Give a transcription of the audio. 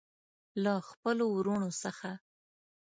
له خپلو وروڼو څخه.